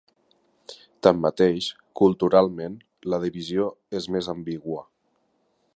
Tanmateix, culturalment, la divisió és més ambigua.